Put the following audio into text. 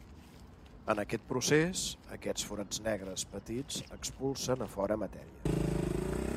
En aquest procés, aquests forats negres petits expulsen a fora matèria.